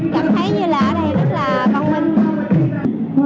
cảm thấy như là ở đây rất là văn minh